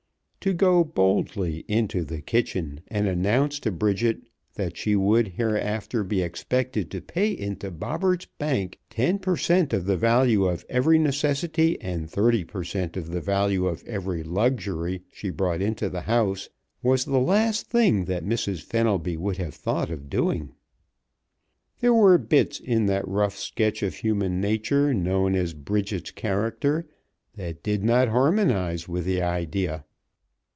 To go boldly into the kitchen and announce to Bridget that she would hereafter be expected to pay into Bobberts' bank ten per cent. of the value of every necessity and thirty per cent. of the value of every luxury she brought into the house was the last thing that Mrs. Fenelby would have thought of doing. There were bits in that rough sketch of human nature known as Bridget's character that did not harmonize with the idea.